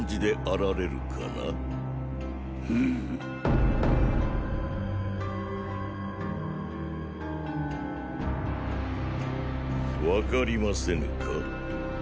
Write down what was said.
む⁉分かりませぬか。